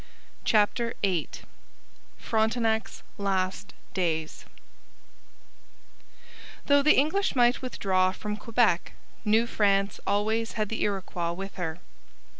CHAPTER VIII FRONTENAC'S LAST DAYS Though the English might withdraw from Quebec, New France always had the Iroquois with her.